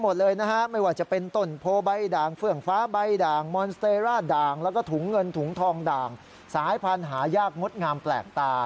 เขียวขจีด่างขาลด่างอะไรอ่ะก็นี่